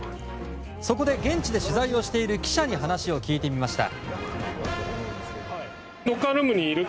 そこで現地で取材をしている記者に話を聞いてみました。